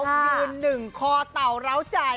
ยืนหนึ่งคอเต่าร้าวใจ